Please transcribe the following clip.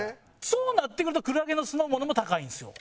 そうなってくるとくらげの酢の物も高いんですよ。